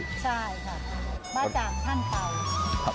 ใช่ครับบ้าจ่างท่านเผ่า